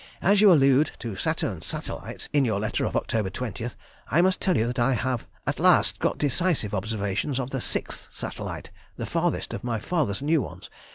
As you allude to Saturn's satellites in your letter of October 20, I must tell you that I have at last got decisive observations of the sixth satellite (the farthest of my father's new ones).